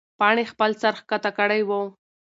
پاڼې خپل سر ښکته کړی و.